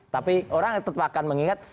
tapi orang tetap akan mengingat